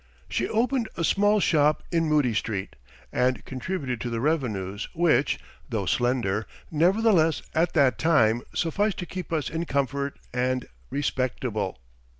She opened a small shop in Moodie Street and contributed to the revenues which, though slender, nevertheless at that time sufficed to keep us in comfort and "respectable."